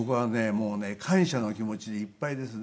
もうね感謝の気持ちでいっぱいですね。